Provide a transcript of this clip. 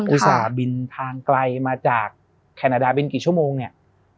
อุตส่าห์บินทางไกลมาจากแคนาดาบินกี่ชั่วโมงเนี่ย